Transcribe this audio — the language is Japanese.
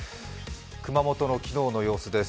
熊本の昨日の様子です。